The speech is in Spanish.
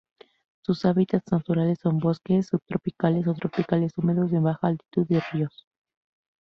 Sus hábitats naturales son: bosques subtropicales o tropicales húmedos de baja altitud y ríos.